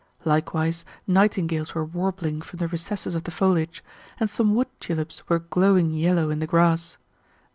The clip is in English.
Likewise nightingales were warbling from the recesses of the foliage, and some wood tulips were glowing yellow in the grass.